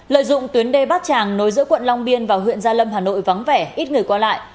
lợi dụng tuyến đê bát tràng nối giữa quận long biên và huyện gia lâm hà nội vắng vẻ ít người qua lại